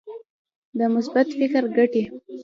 د مثبت فکر ګټې.